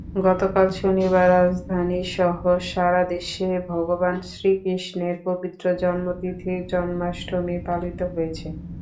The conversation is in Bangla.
গতকাল শনিবার রাজধানীসহ সারা দেশে ভগবান শ্রীকৃষ্ণের পবিত্র জন্মতিথি জন্মাষ্টমী পালিত হয়েছে।